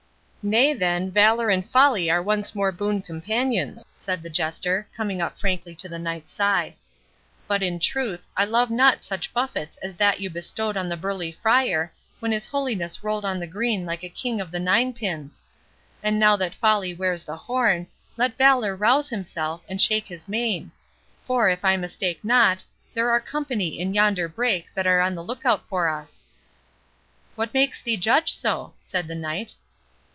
"Nay, then, Valour and Folly are once more boon companions," said the Jester, coming up frankly to the Knight's side; "but, in truth, I love not such buffets as that you bestowed on the burly Friar, when his holiness rolled on the green like a king of the nine pins. And now that Folly wears the horn, let Valour rouse himself, and shake his mane; for, if I mistake not, there are company in yonder brake that are on the look out for us." "What makes thee judge so?" said the Knight.